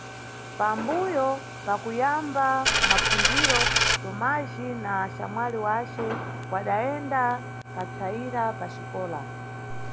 Pambuyo pakuyamba mapfundziro, Tomajhi na axamwali wace wadayenda kapsayira paxikola.